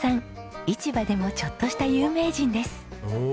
市場でもちょっとした有名人です。